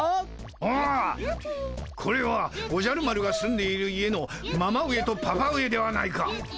ああこれはおじゃる丸が住んでいる家のママ上とパパ上ではないか。